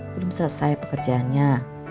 belum selesai pekerjaannya